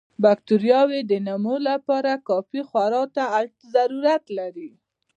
باکټریاوې د نمو لپاره کافي خوړو ته ضرورت لري.